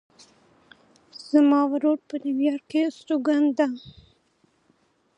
زما ورور په نیویارک کې استوګن ده